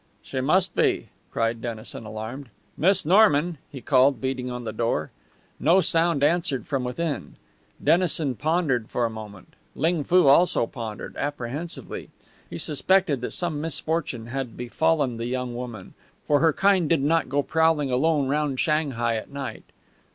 "She must be!" cried Dennison, alarmed. "Miss Norman?" he called, beating on the door. No sound answered from within. Dennison pondered for a moment. Ling Foo also pondered apprehensively. He suspected that some misfortune had befallen the young woman, for her kind did not go prowling alone round Shanghai at night.